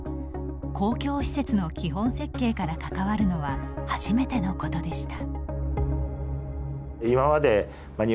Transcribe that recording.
公共施設の基本設計から関わるのは初めてのことでした。